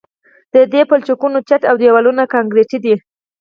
د دې پلچکونو چت او دیوالونه کانکریټي دي